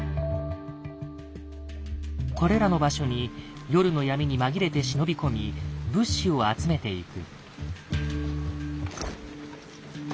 これらの場所に夜の闇に紛れて忍び込み物資を集めていく。